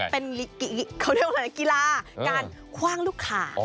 เป็นกีฬาการคว่างลูกคาง